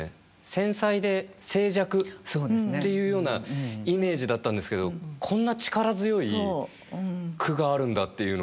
繊細で静寂っていうようなイメージだったんですけどこんな力強い句があるんだっていうのが今すごい感動してます。